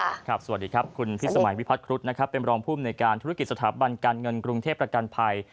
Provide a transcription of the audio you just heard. สวัสดีครับคุณพิษสมัยวิพัฒครุฑนะครับเป็นรองภูมิในการธุรกิจสถาบันการเงินกรุงเทพประกันภัย